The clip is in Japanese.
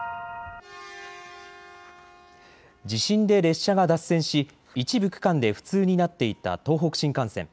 地震で列車が脱線し、一部区間で不通になっていた東北新幹線。